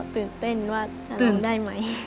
ตื่นเต้นว่าจะทำได้ไหม